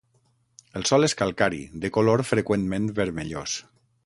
El sòl és calcari de color freqüentment vermellós.